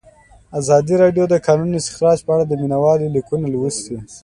ازادي راډیو د د کانونو استخراج په اړه د مینه والو لیکونه لوستي.